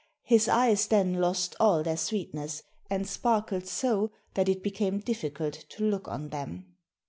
His eyes then lost all their sweetness, and sparkled so that it became difficult to look on them."